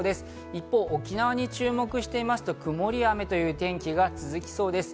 一方、沖縄に注目してみますと、曇りや雨という天気が続きそうです。